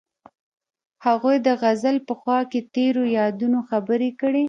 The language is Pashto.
هغوی د غزل په خوا کې تیرو یادونو خبرې کړې.